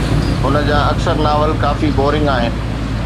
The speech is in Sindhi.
هن جا اڪثر ناول ڪافي بورنگ آهن